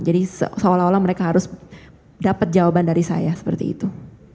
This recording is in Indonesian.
jadi seolah olah mereka harus dapat jawaban dari saya seperti itu